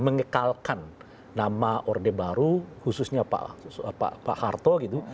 mengekalkan nama orde baru khususnya pak harto gitu